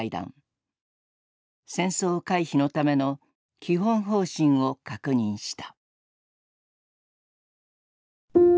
戦争回避のための基本方針を確認した。